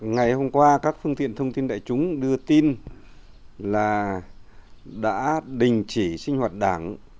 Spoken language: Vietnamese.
ngày hôm qua các phương tiện thông tin đại chúng đưa tin là đã đình chỉ sinh hoạt đảng